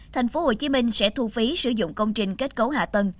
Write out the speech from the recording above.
thành phố hồ chí minh sẽ thu phí sử dụng công trình kết cấu hạ tầng